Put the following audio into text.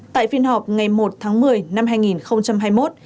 tại phiên họp ngày một tháng một mươi năm hai nghìn hai mươi một